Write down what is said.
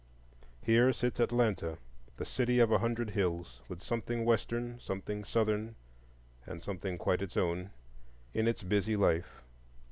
Here sits Atlanta, the city of a hundred hills, with something Western, something Southern, and something quite its own, in its busy life.